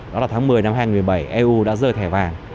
đó là tháng một mươi năm hai nghìn một mươi bảy eu đã rơi thẻ vàng